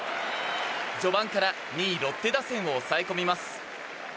序盤から２位、ロッテ打線を抑え込みます。